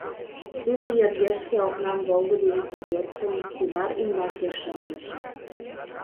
Тудо йыргешке окнан волгыдо изи пӧртым кӱвар ӱмбаке шындыш.